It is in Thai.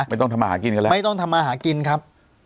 ต้องทำมาหากินกันแล้วไม่ต้องทำมาหากินครับ